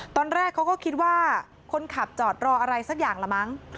ตอนแรกเขาก็คิดว่าคนขับจอดรออะไรสักอย่างละมั้ง